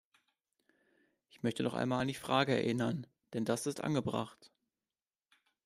Ich möchte noch einmal an die Frage erinnern, denn das ist angebracht.